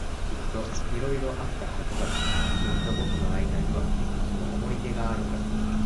きっと色々あったはずだ。君と僕の間にはいくつも思い出があるはず。